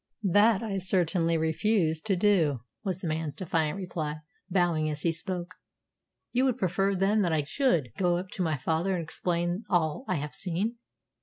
"That I certainly refuse to do," was the man's defiant reply, bowing as he spoke. "You would prefer, then, that I should go up to my father and explain all I have seen?"